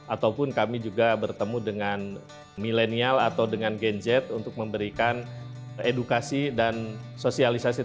ataupun kami juga bertemu dengan milenial atau dengan gen z untuk memberikan edukasi dan sosialisasi